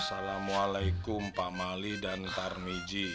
assalamualaikum pak mali dan tarmiji